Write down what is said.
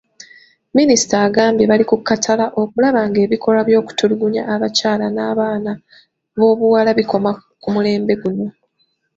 Minisita agambye bali kukkatala okulaba ng'ebikolwa by'okutulugunya abakyala n'abaana b'obuwala bikoma ku mulembe guno.